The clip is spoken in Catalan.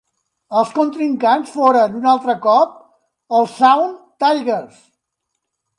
Els contrincants foren, un altre cop, els Sound Tigers.